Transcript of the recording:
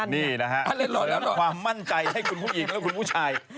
นี่นะฮะความมั่นใจให้คุณผู้หญิงและคุณผู้ชาย